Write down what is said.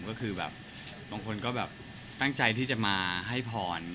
แล้วก็พวกคุณผมก็แบบตั้งใจที่จะมาให้พร